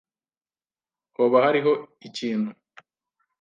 Hoba hariho ikintu?